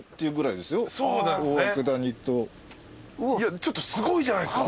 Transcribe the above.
ちょっとすごいじゃないですか。